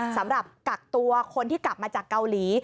สำหรับกักตัวคนที่กลับมาจากเกาหลี